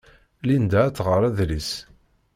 Linda ad tɣer adlis.